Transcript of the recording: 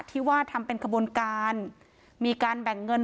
ที่ว่าทำเป็นขบวนการมีการแบ่งเงิน